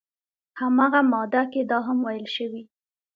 همغه ماده کې دا هم ویل شوي